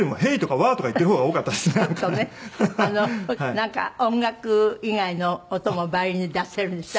なんか音楽以外の音もヴァイオリンで出せるんですって？